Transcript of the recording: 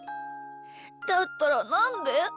だったらなんで？